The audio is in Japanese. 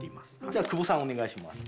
じゃあ久保さんお願いします。